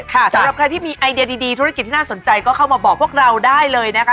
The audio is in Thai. สำหรับใครที่มีไอเดียดีธุรกิจที่น่าสนใจก็เข้ามาบอกพวกเราได้เลยนะคะ